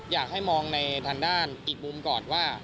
อยากให้มองในทางด้านอีกมุมก่อนว่า